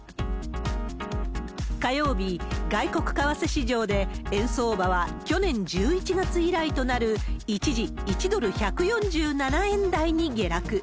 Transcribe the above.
火曜日、外国為替市場で円相場は去年１１月以来となる、一時１ドル１４７円台に下落。